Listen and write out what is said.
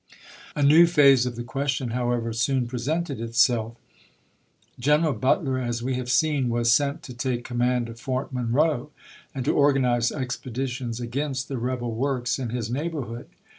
A new phase of the question, however, soon pre sented itself. General Butler, as we have seen, was sent to take command of Fort Monroe, and to or ganize expeditions against the rebel works in his neighborhood.